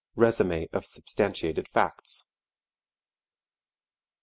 Resumé of substantiated Facts.